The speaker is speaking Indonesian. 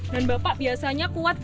dan bapak biasanya kuat dua pak